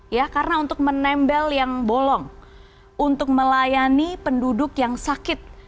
ya karena untuk menembel yang bolong untuk melayani penduduk yang sakit